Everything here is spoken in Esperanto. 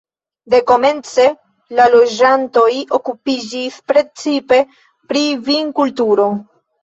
Dekomence la loĝantoj okupiĝis precipe pri vinkulturo.